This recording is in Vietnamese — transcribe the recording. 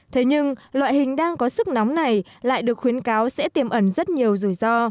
thế nhưng loại hình đang có sức nóng này lại được khuyến cáo sẽ tiềm ẩn rất nhiều rủi ro